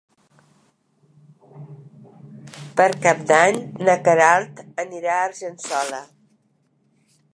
Per Cap d'Any na Queralt anirà a Argençola.